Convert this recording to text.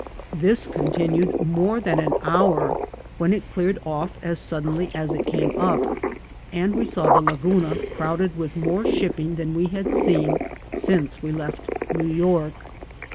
This continued more than an hour, when it cleared off as suddenly as it came up, and we saw the Laguna crowded with more shipping than we had seen since we left New York.